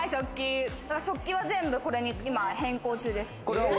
食器は今、全部、これに変更中です。